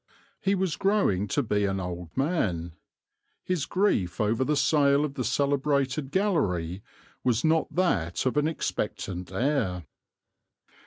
He was growing to be an old man. His grief over the sale of the celebrated gallery was not that of an expectant heir.